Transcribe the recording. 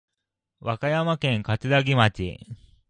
和歌山県かつらぎ町